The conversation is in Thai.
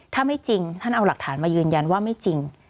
ถ้าไม่จริงท่านเอาหลักฐานมายืนยันว่าไม่จริง